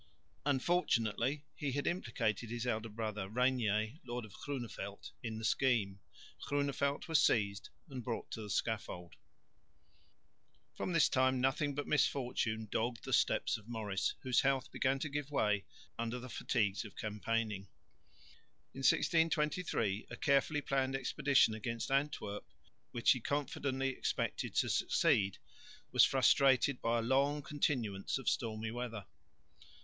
Unfortunately he had implicated his elder brother, Regnier, lord of Groeneveldt, in the scheme. Groeneveldt was seized and brought to the scaffold. From this time nothing but misfortune dogged the steps of Maurice, whose health began to give way under the fatigues of campaigning. In 1623 a carefully planned expedition against Antwerp, which he confidently expected to succeed, was frustrated by a long continuance of stormy weather.